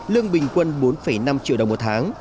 lương bình quân bốn năm triệu đồng một tháng